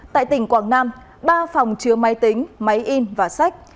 tại tỉnh quảng nam ba phòng chứa máy tính máy in và sách